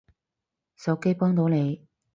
手機幫到你